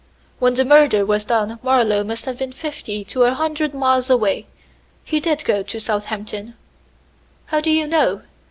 When the murder was done Marlowe must have been fifty to a hundred miles away. He did go to Southampton." "How do you know?"